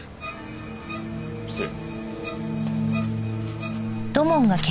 失礼。